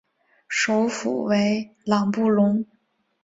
首府为朗布隆。